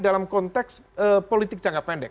dalam konteks politik jangka pendek